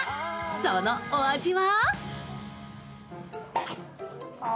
そのお味は？